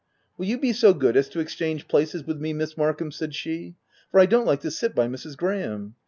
u Will you be so good as to exchange places with me, Miss Markham ?" said she, ° for I don't like to sit by Mrs. Graham.